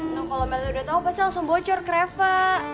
nah kalau mbak udah tau pasti langsung bocor kreva